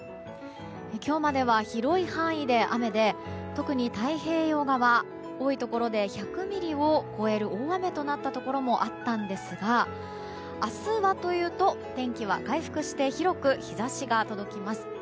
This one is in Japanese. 今日までは広い範囲で雨で特に太平洋側多いところで１００ミリを超える大雨となったところもあったんですが明日はというと、天気は回復して広く日差しが届きます。